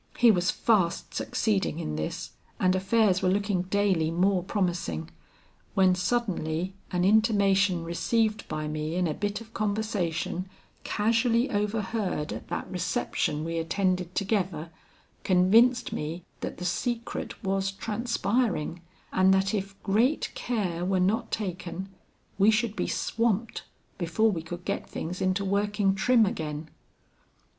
He was fast succeeding in this, and affairs were looking daily more promising, when suddenly an intimation received by me in a bit of conversation casually overheard at that reception we attended together, convinced me that the secret was transpiring, and that if great care were not taken, we should be swamped before we could get things into working trim again.